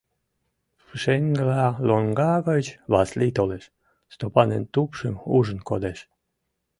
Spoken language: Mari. Пушеҥгыла лоҥга гыч Васлий толеш, Стопанын тупшым ужын кодеш.